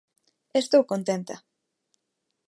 Estou contenta.